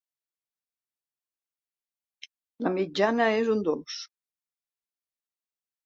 La mitjana és un dos.